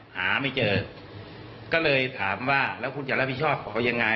หาไม่เจอก็เลยถามว่าแล้วคุณจะรับผิดชอบเขายังไง